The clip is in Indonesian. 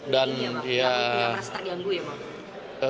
tapi gak terganggu ya pak